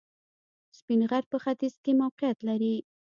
سپین غر په ختیځ کې موقعیت لري